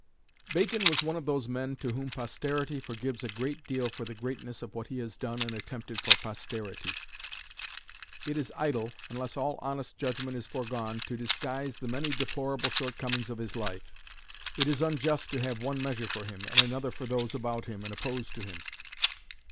Bacon was one of those men to whom posterity forgives a great deal for the greatness of what he has done and attempted for posterity. It is idle, unless all honest judgment is foregone, to disguise the many deplorable shortcomings of his life; it is unjust to have one measure for him, and another for those about him and opposed to him.